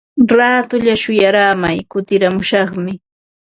Raatulla shuyaaramay kutiramushaqmi.